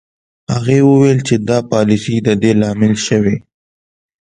هغه وویل چې دا پالیسۍ د دې لامل شوې